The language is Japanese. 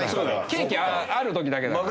ケーキある時だけだから。